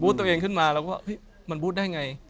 ตัวเองขึ้นมาแล้วก็ว่ามันบู๊ดได้ไง